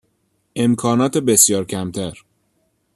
امکانات بسیار کمتر